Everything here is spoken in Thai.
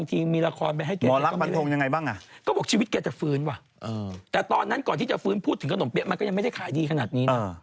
แต่ตอนนั้นก่อนที่จะฟื้นพูดถึงขนมเป๊ะมันก็ยังไม่ได้ขายดีขนาดนี้นะ